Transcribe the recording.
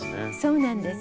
そうなんです。